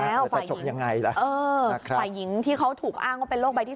เดี๋ยวจะจบอย่างไรล่ะนะครับฝ่ายหญิงที่เขาถูกอ้างว่าเป็นโรคใบที่๒